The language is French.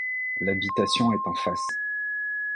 L'habitation est en face.